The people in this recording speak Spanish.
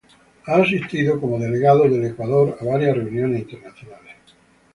Ha asistido como delegado del Ecuador a varias reuniones internacionales.